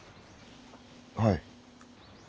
はい。